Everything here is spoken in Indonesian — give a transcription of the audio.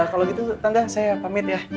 kalau gitu tangga saya pamit ya